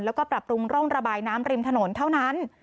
แล้วก็ปรับปรุงร่องระบายน้ำริมถนนเท่านั้น